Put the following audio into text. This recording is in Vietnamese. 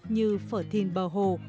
như phở thìn bờ hồ